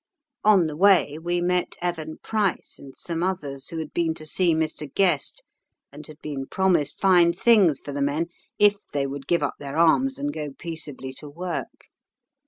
On the way we met Evan Price and some others, who had been to see Mr. Guest, and had been promised fine things for the men if they would give up their arms and go peaceably to work.